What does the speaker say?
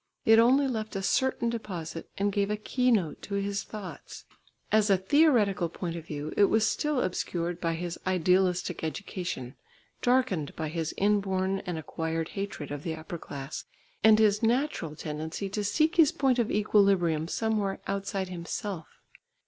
It only left a certain deposit and gave a keynote to his thoughts. As a theoretical point of view it was still obscured by his idealistic education, darkened by his inborn and acquired hatred of the upper class, and his natural tendency to seek his point of equilibrium somewhere outside himself.